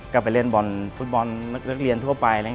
ก็ไปเล่นบอลฟุตบอลนักเรียนทั่วไป